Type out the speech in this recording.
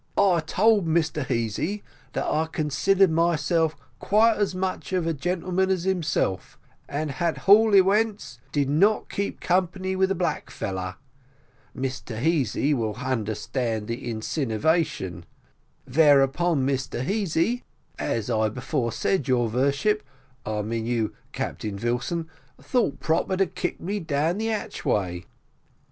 "I told Mr Heasy that I considered myself quite as much of a gentleman as himself, and at hall hewents did not keep company with a black feller (Mr Heasy will understand the insinevation), vereupon Mr Heasy, as I before said, your vorship, I mean you, Captain Vilson, thought proper to kick me down the atchvay."